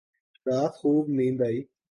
رات خوب نیند آئی